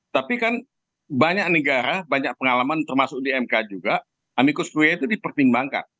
tapi kan banyak negara banyak pengalaman termasuk di mk juga amikus kue itu dipertimbangkan